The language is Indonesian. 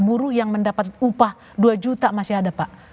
buruh yang mendapat upah dua juta masih ada pak